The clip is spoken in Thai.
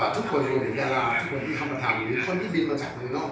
ทุกคนที่เข้ามาทำหรือคนที่บินมาจากนึง